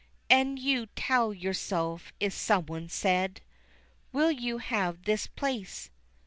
An' you tell yourself if someone said "_Will you have this place?